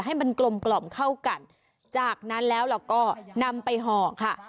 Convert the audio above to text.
ให้มันกลมกล่อมเข้ากันจากนั้นแล้วเราก็นำไปห่อค่ะ